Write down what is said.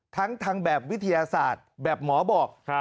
ทั้งทางแบบวิทยาศาสตร์แบบหมอบอก